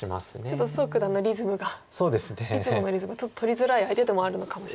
ちょっと蘇九段のリズムがいつものリズムがちょっと取りづらい相手でもあるのかもしれない。